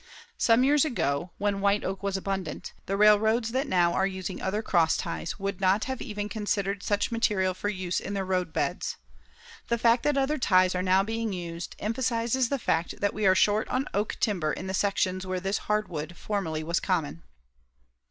Some years ago, when white oak was abundant, the railroads that now are using other cross ties would not have even considered such material for use in their roadbeds. The fact that other ties are now being used emphasizes the fact that we are short on oak timber in the sections where this hardwood formerly was common.